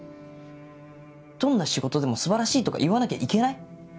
どんな仕事でも素晴らしいとか言わなきゃいけない？